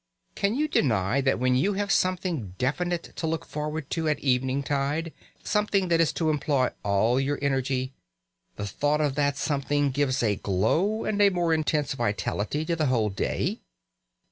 Can you deny that when you have something definite to look forward to at eventide, something that is to employ all your energy the thought of that something gives a glow and a more intense vitality to the whole day?